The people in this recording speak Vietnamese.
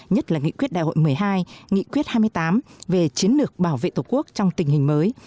nhất là nghị quyết đại hội một mươi hai nghị quyết hai mươi tám về chiến lược bảo vệ tổ quốc trong tình hình mới